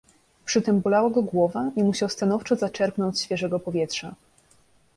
"Przytem bolała go głowa i musiał stanowczo zaczerpnąć świeżego powietrza."